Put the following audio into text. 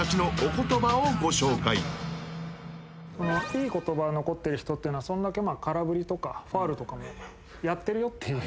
いい言葉残ってる人っていうのはそんだけ空振りとかファウルとかもやってるよっていう。